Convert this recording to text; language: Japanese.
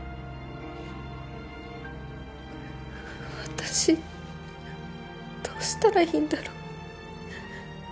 私どうしたらいいんだろう？